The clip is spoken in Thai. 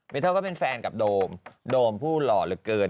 เก่งเก่งเก่งเก่งเก่ง